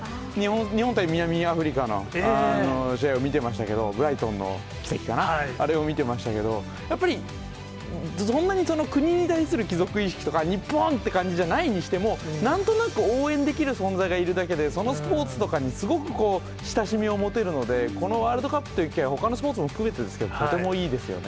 日本対南アフリカのあの試合を見てましたけど、ブライトンの奇跡かな、あれを見てましたけど、やっぱり、そんなに国に対する帰属意識とか、日本！って感じじゃないにしても、なんとなく応援できる存在がいるだけで、そのスポーツとかにすごく親しみを持てるので、このワールドカップという機会は、ほかのスポーツも含めてですけど、とてもいいですよね。